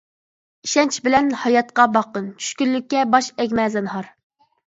ئىشەنچ بىلەن ھاياتقا باققىن، چۈشكۈنلۈككە باش ئەگمە زىنھار.